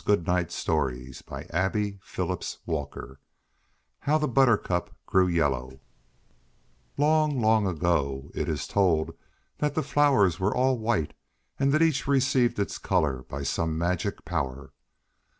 HOW THE BUTTERCUP GREW YELLOW [Illustration: How the Buttercup Grew Yellow] Long, long ago it is told that the flowers were all white and that each received its color by some magic power.